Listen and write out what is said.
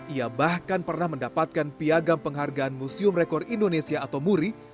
ia bahkan pernah mendapatkan piagam penghargaan museum rekor indonesia atau muri